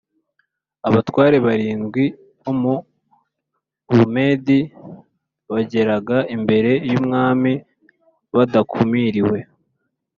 abatware barindwi bo mu bumedi bageraga imbere y umwami badakumiriwe